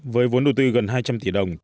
với vốn đầu tư gần hai trăm linh tỷ đồng